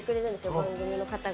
番組の方が。